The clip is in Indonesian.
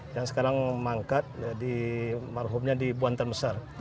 yang sekarang mangkat jadi marhumnya di buantan besar